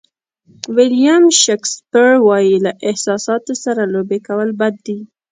ویلیام شکسپیر وایي له احساساتو سره لوبې کول بد دي.